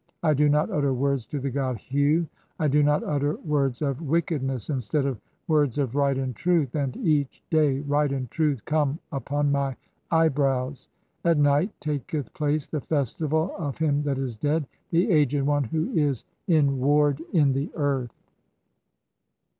"I do not utter words to the god Hu, [I do not utter words of] "wickedness instead of [words of] right and truth, (16) and each "day right and truth come upon my eyebrows. At night taketh "place the festival of him that is dead, the Aged One, who is "in ward [in] the earth."